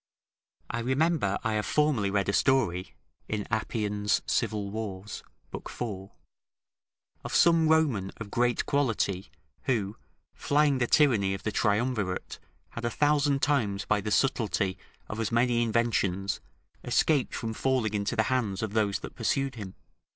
I remember I have formerly read a story [In Appian's Civil Wars, book iv..] of some Roman of great quality who, flying the tyranny of the Triumvirate, had a thousand times by the subtlety of as many inventions escaped from falling into the hands of those that pursued him.